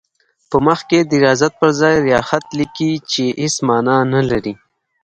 په مخ کې د ریاضت پر ځای ریاخت لیکي چې هېڅ معنی نه لري.